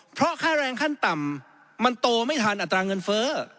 เพราะค่าแรงขั้นต่ำมันโตไม่ทันอัตราเงินเฟ้อ